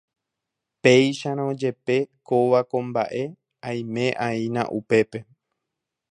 péicharõ jepe kóva ko mba'e aime'aína upépe